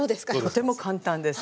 とても簡単です。